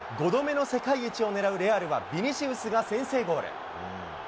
５度目の世界一を狙うレアルはビニシウスが先制ゴール。